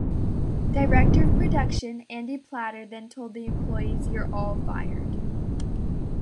Director of Production, Andy Platter, then told the employees You're all fired.